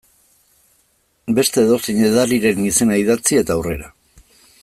Beste edozein edariren izena idatzi, eta aurrera.